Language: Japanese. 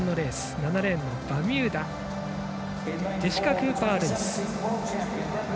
７レーンのバミューダジェシカクーパー・ルイス。